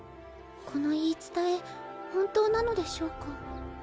この言い伝え本当なのでしょうか？